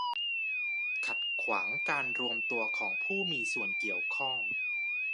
ขัดขวางการรวมตัวของผู้มีส่วนเกี่ยวข้อง